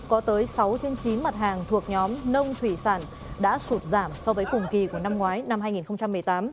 có tới sáu trên chín mặt hàng thuộc nhóm nông thủy sản đã sụt giảm so với cùng kỳ của năm ngoái năm hai nghìn một mươi tám